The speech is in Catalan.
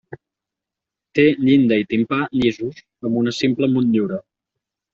Té llinda i timpà llisos, amb una simple motllura.